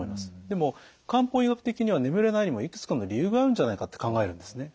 でも漢方医学的には眠れないにもいくつかの理由があるんじゃないかって考えるんですね。